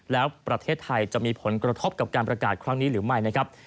แล้วประเทศไทยจะมีผลกระทบกับการประกาศครั้งนี้หรือไม่นะครับ